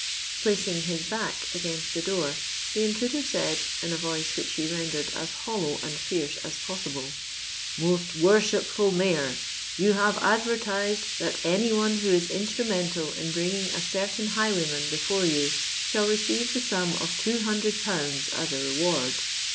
Placing his back against the door, the intruder said, in a voice which he rendered as hollow and fierce as possible, "Most worshipful Mayor! you have advertised that any one who is instrumental in bringing a certain highwayman before you, shall receive the sum of two hundred pounds as a reward.